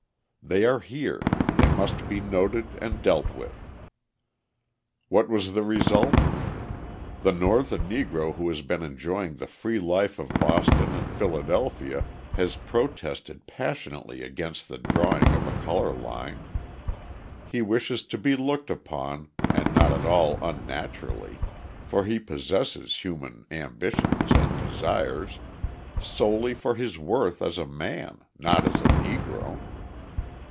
They are here; they must be noted and dealt with. What was the result? The Northern Negro who has been enjoying the free life of Boston and Philadelphia has protested passionately against the drawing of a colour line: he wishes to be looked upon, and not at all unnaturally, for he possesses human ambitions and desires, solely for his worth as a man, not as a Negro.